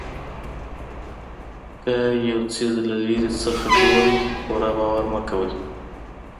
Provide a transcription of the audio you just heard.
که یو څیز له لرې څخه ګورئ پوره باور مه کوئ.